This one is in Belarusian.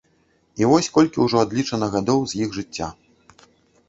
І вось колькі ўжо адлічана гадоў з іх жыцця.